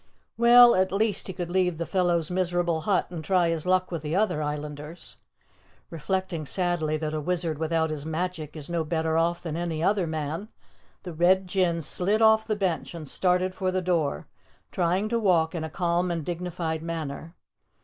Well, at least he could leave the fellow's miserable hut and try his luck with the other Islanders. Reflecting sadly that a wizard without his magic is no better off than any other man, the Red Jinn slid off the bench and started for the door, trying to walk in a calm and dignified manner.